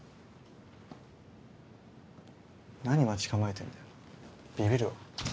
何待ち構えてんだよビビるわ。